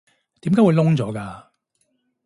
點解會燶咗㗎？